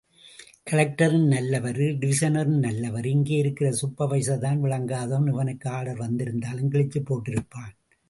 கலெக்டரும் நல்லவரு... டிவிசனரும் நல்லவரு... இங்கே இருக்கிற சூப்பர்வைசர்தான் விளங்காதவன்... இவனுக்கு ஆர்டர் வந்திருந்தாலும் கிழிச்சுப் போட்டிருப்பான்.